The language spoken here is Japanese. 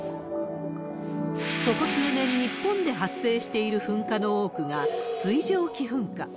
ここ数年、日本で発生している噴火の多くが水蒸気噴火。